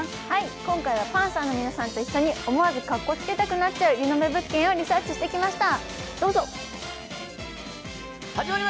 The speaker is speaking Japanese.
今回はパンサーの皆さんと一緒に思わずかっこつけたくなっちゃうリノベ物件をリサーチしてきました。